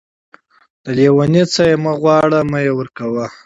د لېوني څه يې مه غواړه ،مې ورکوه.